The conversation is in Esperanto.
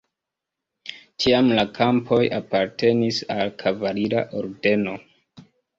Tiam la kampoj apartenis al kavalira ordeno.